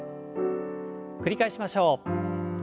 繰り返しましょう。